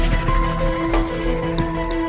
ก็ไม่น่าจะดังกึ่งนะ